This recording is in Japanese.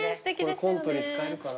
これコントに使えるかな。